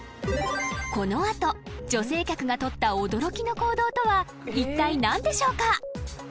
［この後女性客が取った驚きの行動とはいったい何でしょうか？］